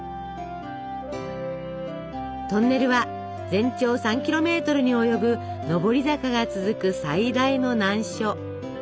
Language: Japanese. トンネルは全長３キロメートルに及ぶ上り坂が続く最大の難所。